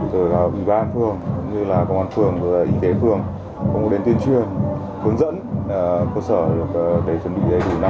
từ ủy ban phường công an phường ủy tế phường cũng có đến tuyên truyền hướng dẫn cơ sở để chuẩn bị